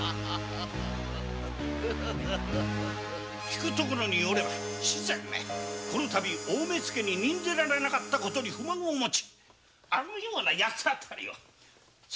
聞くところによれば主膳めこの度大目付に任ぜられなかった事に不満を持ちあのようなやつ当たりを。